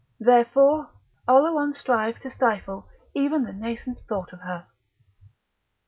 Therefore, Oleron strove to stifle even the nascent thought of her.